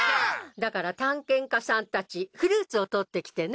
だから探検家さんたちフルーツを採ってきてね。